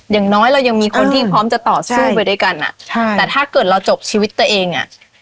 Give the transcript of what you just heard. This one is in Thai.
อย่างน้อยเรายังมีคนที่พร้อมจะต่อสู้ไปด้วยกันอ่ะใช่แต่ถ้าเกิดเราจบชีวิตตัวเองอ่ะ